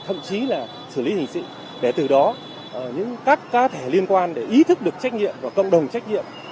thậm chí là xử lý hình sự để từ đó những các cá thể liên quan để ý thức được trách nhiệm và cộng đồng trách nhiệm